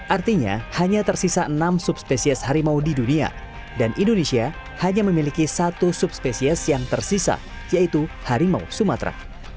artinya hanya tersisa enam subspesies harimau di dunia dan indonesia hanya memiliki satu subspesies yang tersisa yaitu harimau sumatera